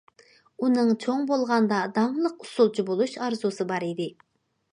ئۇنىڭ چوڭ بولغاندا داڭلىق ئۇسسۇلچى بولۇش ئارزۇسى بار ئىدى.